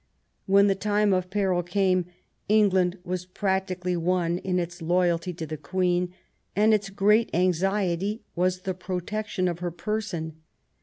When the time of peril came, England was practically one in its loyalty to the Queen, and its great anxietj^ 'was the protection of her person.